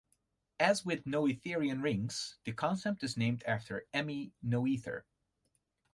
As with noetherian rings, the concept is named after Emmy Noether.